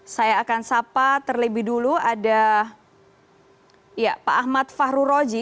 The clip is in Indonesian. saya akan sapa terlebih dulu ada pak ahmad fahruroji